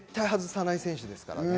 絶対外さない選手ですからね。